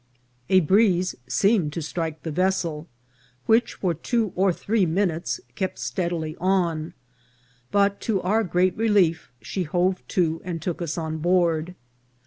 A breeze seemed to strike the vessel, which for two or three minutes kept steadily on ; but, to our great relief, she hove to and took us on board.